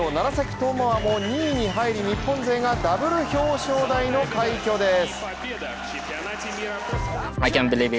智亜も２位に入り日本勢がダブル表彰台の快挙です。